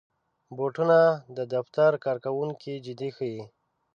بوټونه د دفتر کارکوونکي جدي ښيي.